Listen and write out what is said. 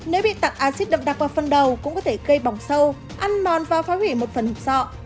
nếu bị tặng axit đậm đặc vào phần đầu cũng có thể gây bỏng sâu ăn non và phá hủy một phần hụt sọ